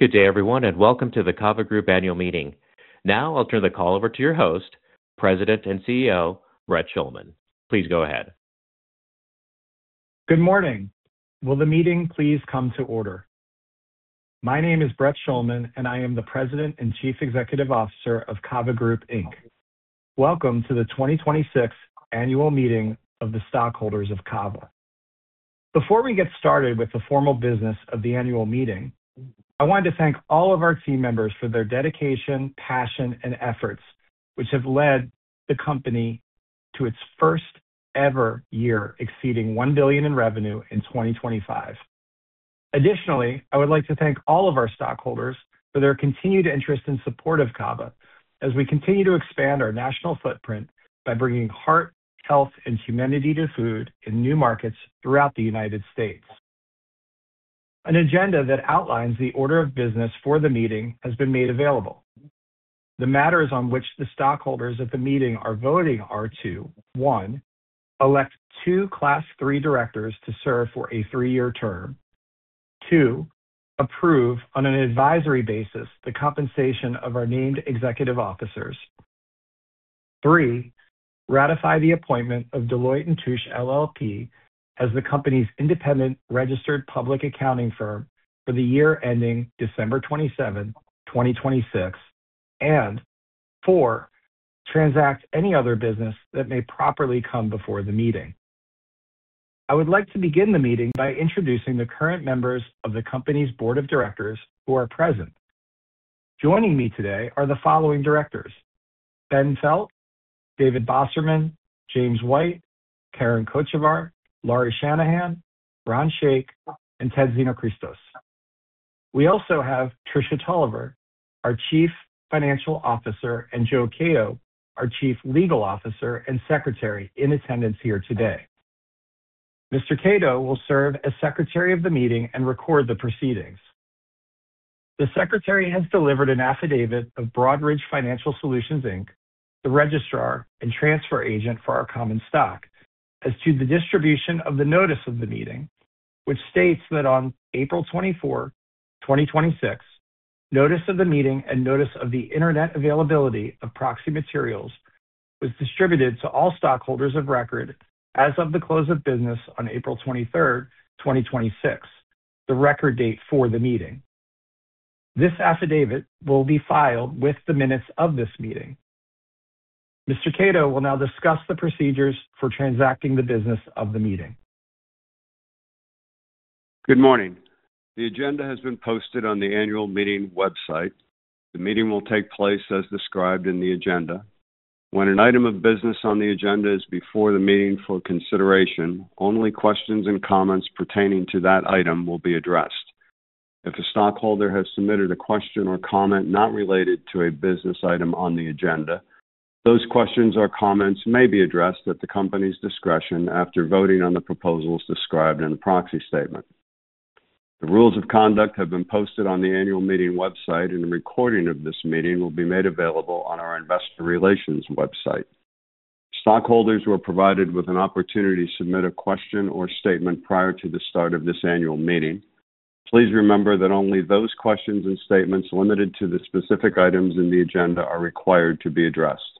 Good day everyone, welcome to the CAVA Group annual meeting. Now I'll turn the call over to your host, President and CEO, Brett Schulman. Please go ahead. Good morning. Will the meeting please come to order? My name is Brett Schulman, I am the President and Chief Executive Officer of CAVA Group, Inc. Welcome to the 2026 annual meeting of the stockholders of CAVA. Before we get started with the formal business of the annual meeting, I wanted to thank all of our team members for their dedication, passion, and efforts, which have led the company to its first ever year exceeding $1 billion in revenue in 2025. Additionally, I would like to thank all of our stockholders for their continued interest and support of CAVA as we continue to expand our national footprint by bringing heart, health, and humanity to food in new markets throughout the U.S. An agenda that outlines the order of business for the meeting has been made available. The matters on which the stockholders at the meeting are voting are to, One, elect two Class III directors to serve for a three-year term. Two, approve, on an advisory basis, the compensation of our named executive officers. Three, ratify the appointment of Deloitte & Touche LLP as the company's independent registered public accounting firm for the year ending December 27th, 2026. Four, transact any other business that may properly come before the meeting. I would like to begin the meeting by introducing the current members of the company's Board of Directors who are present. Joining me today are the following Directors: Ben Felt, David Bosserman, James White, Karen Kochevar, Lauri Shanahan, Ron Shaich, and Ted Xenohristos. We also have Tricia Tolivar, our Chief Financial Officer, and Joe Kadow, our Chief Legal Officer and Secretary, in attendance here today. Mr. Kadow will serve as secretary of the meeting and record the proceedings. The secretary has delivered an affidavit of Broadridge Financial Solutions, Inc., the registrar and transfer agent for our common stock, as to the distribution of the notice of the meeting, which states that on April 24th, 2026, notice of the meeting and notice of the internet availability of proxy materials was distributed to all stockholders of record as of the close of business on April 23rd, 2026, the record date for the meeting. This affidavit will be filed with the minutes of this meeting. Mr. Kadow will now discuss the procedures for transacting the business of the meeting. Good morning. The agenda has been posted on the annual meeting website. The meeting will take place as described in the agenda. When an item of business on the agenda is before the meeting for consideration, only questions and comments pertaining to that item will be addressed. If a stockholder has submitted a question or comment not related to a business item on the agenda, those questions or comments may be addressed at the company's discretion after voting on the proposals described in the proxy statement. The rules of conduct have been posted on the annual meeting website, and a recording of this meeting will be made available on our investor relations website. Stockholders were provided with an opportunity to submit a question or statement prior to the start of this annual meeting. Please remember that only those questions and statements limited to the specific items in the agenda are required to be addressed.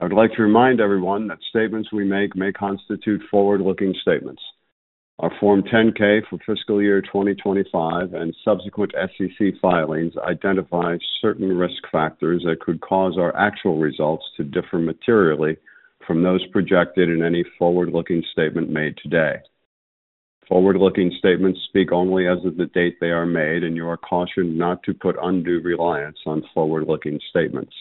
I would like to remind everyone that statements we make may constitute forward-looking statements. Our Form 10-K for fiscal year 2025 and subsequent SEC filings identify certain risk factors that could cause our actual results to differ materially from those projected in any forward-looking statement made today. You are cautioned not to put undue reliance on forward-looking statements.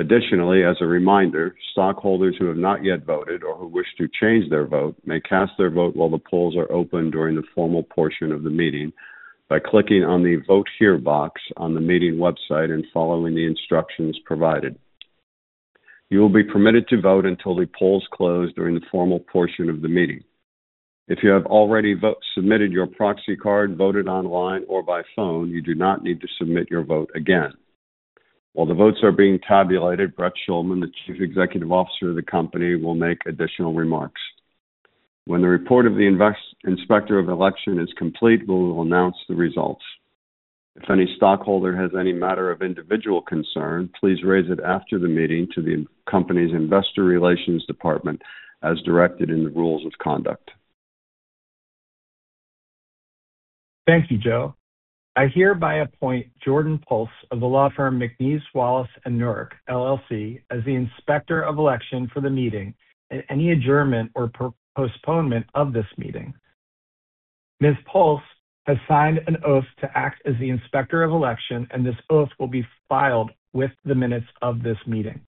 Additionally, as a reminder, stockholders who have not yet voted or who wish to change their vote may cast their vote while the polls are open during the formal portion of the meeting by clicking on the Vote Here box on the meeting website and following the instructions provided. You will be permitted to vote until the polls close during the formal portion of the meeting. If you have already submitted your proxy card, voted online or by phone, you do not need to submit your vote again. While the votes are being tabulated, Brett Schulman, the Chief Executive Officer of the company, will make additional remarks. When the report of the inspector of election is complete, we will announce the results. If any stockholder has any matter of individual concern, please raise it after the meeting to the company's investor relations department, as directed in the rules of conduct. Thank you, Joe. I hereby appoint Jordan Pulse of the law firm McNees Wallace & Nurick LLC as the inspector of election for the meeting and any adjournment or postponement of this meeting. Ms. Pulse has signed an oath to act as the inspector of election. This oath will be filed with the minutes of this meeting.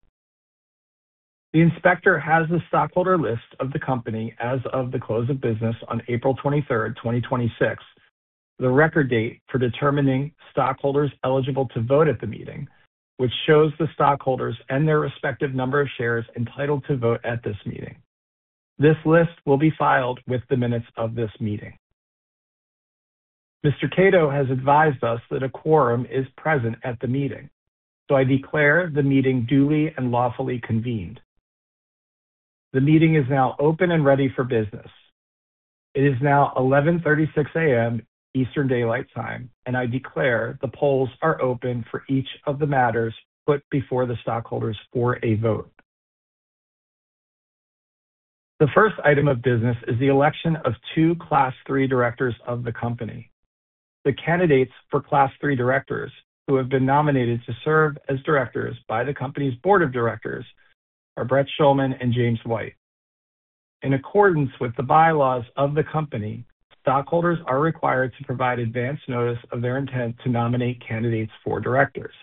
The inspector has the stockholder list of the company as of the close of business on April 23rd, 2026, the record date for determining stockholders eligible to vote at the meeting, which shows the stockholders and their respective number of shares entitled to vote at this meeting. Mr. Kadow has advised us that a quorum is present at the meeting. I declare the meeting duly and lawfully convened. The meeting is now open and ready for business. It is now 11:36 A.M. Eastern Daylight Time, and I declare the polls are open for each of the matters put before the stockholders for a vote. The first item of business is the election of two Class III directors of the company. The candidates for Class III directors who have been nominated to serve as directors by the company's board of directors are Brett Schulman and James White. In accordance with the bylaws of the company, stockholders are required to provide advance notice of their intent to nominate candidates for directors.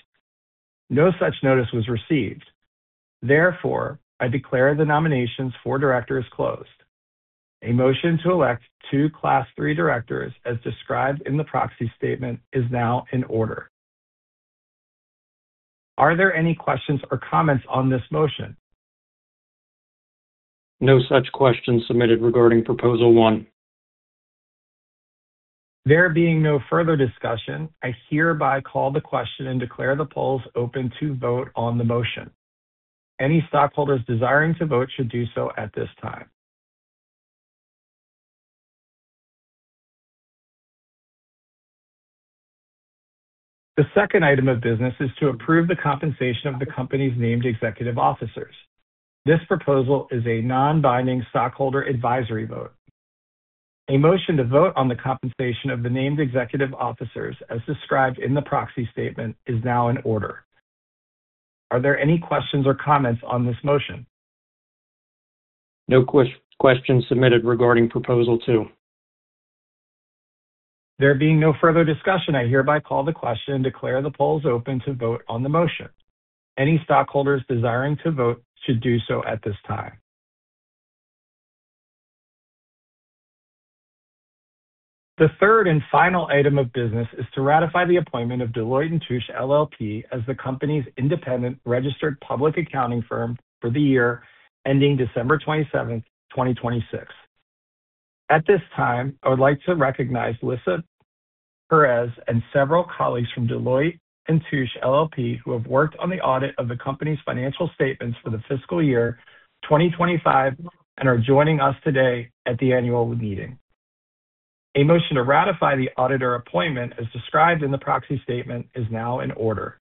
No such notice was received. Therefore, I declare the nominations for directors closed. A motion to elect two Class III directors as described in the proxy statement is now in order. Are there any questions or comments on this motion? No such questions submitted regarding Proposal 1. There being no further discussion, I hereby call the question and declare the polls open to vote on the motion. Any stockholders desiring to vote should do so at this time. The second item of business is to approve the compensation of the company's named executive officers. This proposal is a non-binding stockholder advisory vote. A motion to vote on the compensation of the named executive officers as described in the proxy statement is now in order. Are there any questions or comments on this motion? No questions submitted regarding Proposal 2. There being no further discussion, I hereby call the question and declare the polls open to vote on the motion. Any stockholders desiring to vote should do so at this time. The third and final item of business is to ratify the appointment of Deloitte & Touche LLP as the company's independent registered public accounting firm for the year ending December 27th, 2026. At this time, I would like to recognize Lissa Perez and several colleagues from Deloitte & Touche LLP, who have worked on the audit of the company's financial statements for the fiscal year 2025 and are joining us today at the annual meeting. A motion to ratify the auditor appointment as described in the proxy statement is now in order.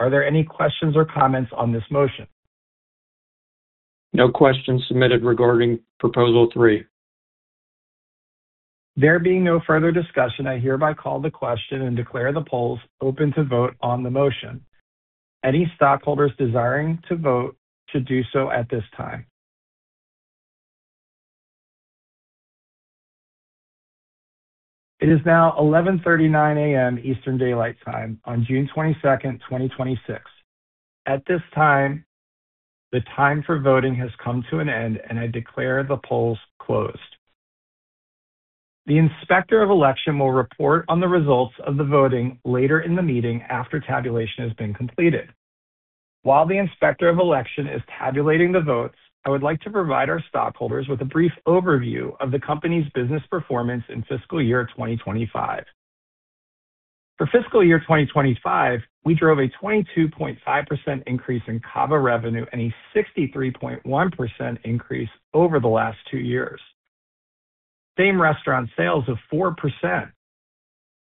Are there any questions or comments on this motion? No questions submitted regarding Proposal 3. There being no further discussion, I hereby call the question and declare the polls open to vote on the motion. Any stockholders desiring to vote should do so at this time. It is now 11:39 A.M. Eastern Daylight Time on June 22nd, 2026. At this time, the time for voting has come to an end, and I declare the polls closed. The inspector of election will report on the results of the voting later in the meeting after tabulation has been completed. While the inspector of election is tabulating the votes, I would like to provide our stockholders with a brief overview of the company's business performance in fiscal year 2025. For fiscal year 2025, we drove a 22.5% increase in CAVA revenue and a 63.1% increase over the last two years. Same-restaurant sales of 4%.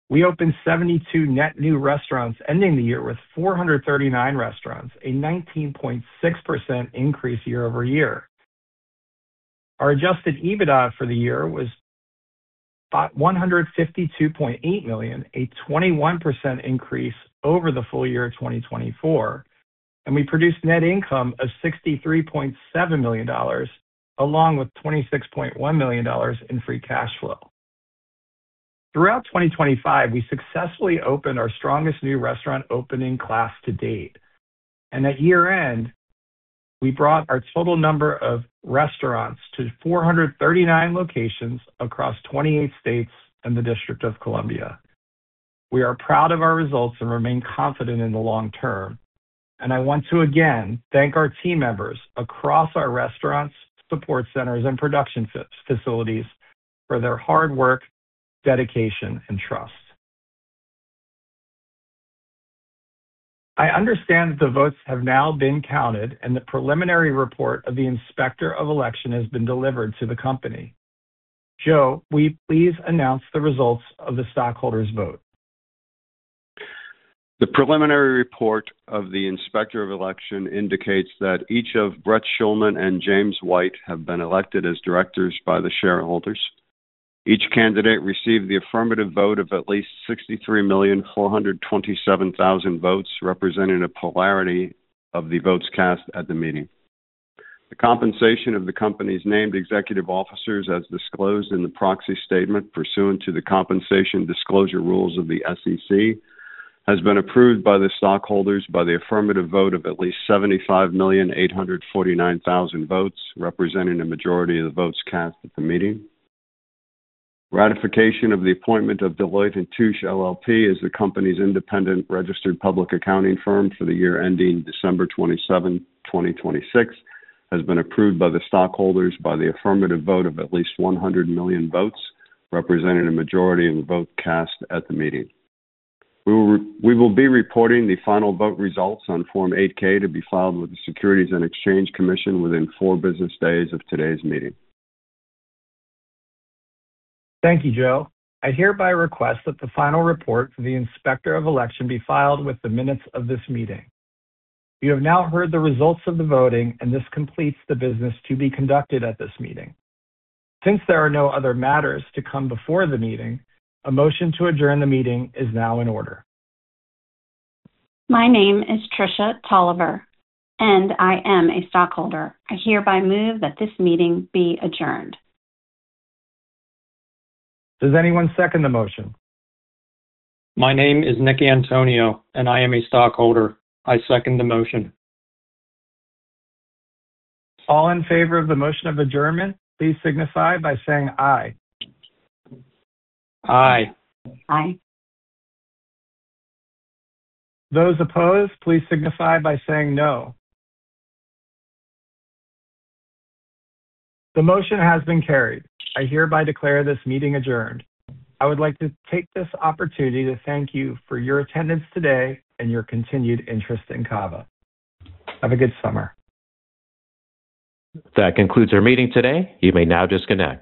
We opened 72 net new restaurants, ending the year with 439 restaurants, a 19.6% increase year-over-year. Our adjusted EBITDA for the year was $152.8 million, a 21% increase over the full year 2024, and we produced net income of $63.7 million, along with $26.1 million in free cash flow. Throughout 2025, we successfully opened our strongest new restaurant opening class to date, and at year-end, we brought our total number of restaurants to 439 locations across 28 states and the District of Columbia. We are proud of our results and remain confident in the long term, and I want to again thank our team members across our restaurants, support centers, and production facilities for their hard work, dedication, and trust. I understand that the votes have now been counted, and the preliminary report of the inspector of election has been delivered to the company. Joe, will you please announce the results of the stockholders' vote? The preliminary report of the inspector of election indicates that each of Brett Schulman and James White have been elected as directors by the shareholders. Each candidate received the affirmative vote of at least 63,427,000 votes, representing a plurality of the votes cast at the meeting. The compensation of the company's named executive officers as disclosed in the proxy statement pursuant to the compensation disclosure rules of the SEC has been approved by the stockholders by the affirmative vote of at least 75,849,000 votes, representing a majority of the votes cast at the meeting. Ratification of the appointment of Deloitte & Touche LLP as the company's independent registered public accounting firm for the year ending December 27, 2026 has been approved by the stockholders by the affirmative vote of at least 100 million votes, representing a majority of the votes cast at the meeting. We will be reporting the final vote results on Form 8-K to be filed with the Securities and Exchange Commission within four business days of today's meeting. Thank you, Joe. I hereby request that the final report for the inspector of election be filed with the minutes of this meeting. You have now heard the results of the voting, and this completes the business to be conducted at this meeting. Since there are no other matters to come before the meeting, a motion to adjourn the meeting is now in order. My name is Tricia Tolivar, and I am a stockholder. I hereby move that this meeting be adjourned. Does anyone second the motion? My name is Nick Antonio, and I am a stockholder. I second the motion. All in favor of the motion of adjournment, please signify by saying aye. Aye. Aye. Those opposed, please signify by saying no. The motion has been carried. I hereby declare this meeting adjourned. I would like to take this opportunity to thank you for your attendance today and your continued interest in CAVA. Have a good summer. That concludes our meeting today. You may now disconnect